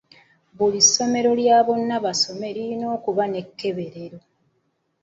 Buli ssomero lya bonnabasome lirina okuba n'ekkeberero.